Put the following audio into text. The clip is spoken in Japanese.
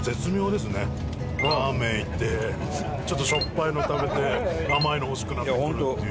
ラーメン行ってちょっとしょっぱいの食べて甘いの欲しくなってくるっていう。